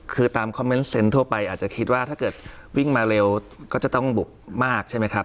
คือตามคอมเมนต์เซ็นทั่วไปอาจจะคิดว่าถ้าเกิดวิ่งมาเร็วก็จะต้องบุบมากใช่ไหมครับ